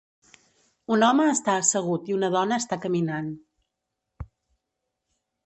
Un home està assegut i una dona està caminant.